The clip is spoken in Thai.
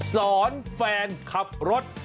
สอนแฟนขับรถ